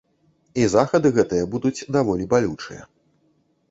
І захады гэтыя будуць даволі балючыя.